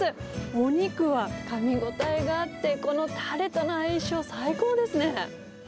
お肉はかみ応えがあって、このたれとの相性、最高ですね。